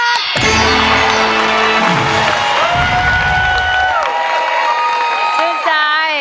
ขอบคุณครับ